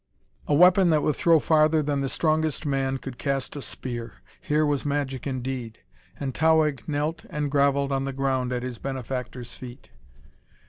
A weapon that would throw farther than the strongest man could cast a spear here was magic indeed! And Towahg knelt and grovelled on the ground at his benefactor's feet.